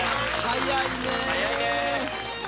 はい。